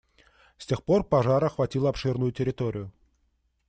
С тех пор пожар охватил обширную территорию.